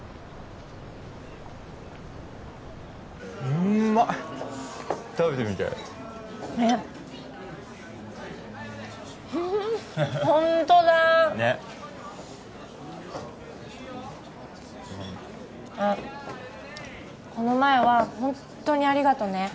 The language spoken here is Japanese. うんあっこの前はほんとにありがとね